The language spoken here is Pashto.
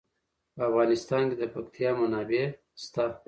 په افغانستان کې د پکتیا منابع شته.